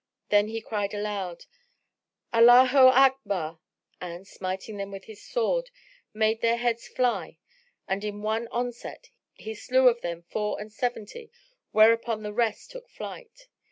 Then he cried aloud, "Allaho Akbar!" and, smiting them with his sword, made their heads fly and in one onset he slew of them four and seventy whereupon the rest took to flight.